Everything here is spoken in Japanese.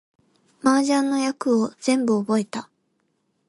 麻雀の役を全部覚えた